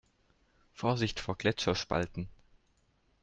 Vorsicht vor Gletscherspalten!